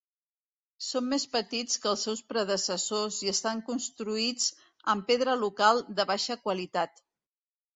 Són més petits que els seus predecessors i estan construïts amb pedra local de baixa qualitat.